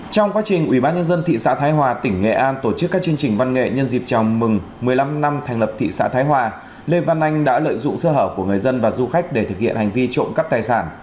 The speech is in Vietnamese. trong quá trình ubnd thị xã thái hòa tỉnh nghệ an tổ chức các chương trình văn nghệ nhân dịp chào mừng một mươi năm năm thành lập thị xã thái hòa lê văn anh đã lợi dụng sơ hở của người dân và du khách để thực hiện hành vi trộm cắp tài sản